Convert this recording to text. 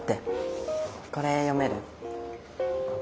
これ読める？